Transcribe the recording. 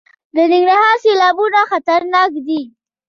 د ننګرهار سیلابونه خطرناک دي؟